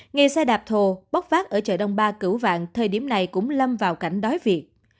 nghề xe đạp thồ bốc vác ở chợ đông ba cửu vạn thời điểm này cũng lâm vào cảnh đói việc